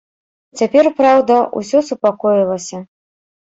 Цяпер, праўда, усё супакоілася.